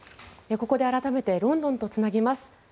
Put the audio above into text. ここで改めてロンドンとつなぎます。